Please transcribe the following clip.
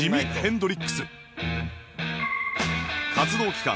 活動期間